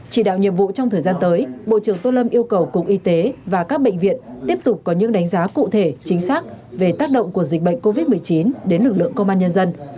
chỉ đạo nhiệm vụ trong thời gian tới bộ trưởng tô lâm yêu cầu cục y tế và các bệnh viện tiếp tục có những đánh giá cụ thể chính xác về tác động của dịch bệnh covid một mươi chín đến lực lượng công an nhân dân